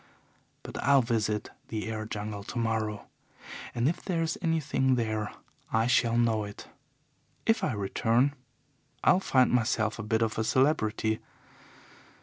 But I'll visit the air jungle tomorrow and if there's anything there I shall know it. If I return, I'll find myself a bit of a celebrity.